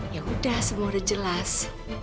yaudah semua udah jelas